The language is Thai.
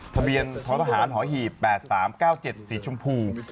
ทะเบียนท้อทหารหอหีบ๘๓๙๗สีชมพู